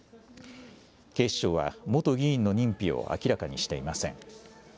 警視庁は、元議員の認否を明らかにしていません。